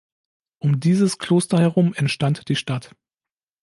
Um dieses Kloster herum entstand die Stadt.